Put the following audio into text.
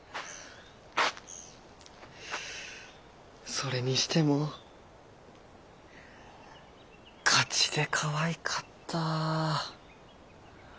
それにしてもガチでかわいかった。